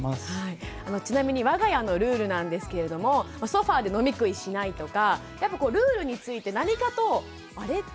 ちなみにわが家のルールなんですけれどもソファーで飲み食いしないとかやっぱこうルールについて何かとあれ？